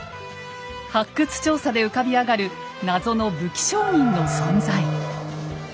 発掘調査で浮かび上がる謎の武器商人の存在。